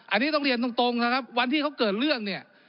อันนี้ต้องเรียนตรงนะครับวันที่เขาเกิดเรื่องเนี่ย